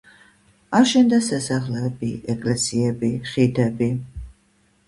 აშენდა სასახლეები, ეკლესიები, ხიდები.